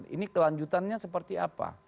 ini kelanjutannya seperti apa